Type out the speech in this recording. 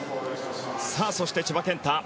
そして、千葉健太。